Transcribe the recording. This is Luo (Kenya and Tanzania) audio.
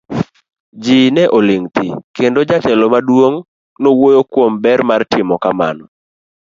Ji ne oling' thi, kendo jatelo maduong' nowuoyo kuom ber mar timo kamano.